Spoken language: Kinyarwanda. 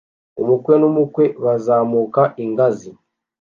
Umukwe n'umukwe bazamuka ingazi